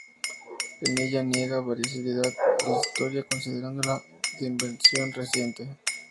En ella niega veracidad a la historia, considerándola de invención reciente.